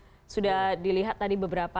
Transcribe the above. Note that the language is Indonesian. sudah dilihat tadi beberapa